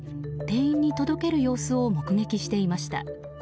店員に届ける様子を目撃していました。